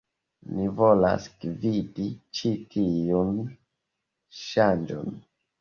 Ni volas gvidi ĉi tiun ŝanĝon.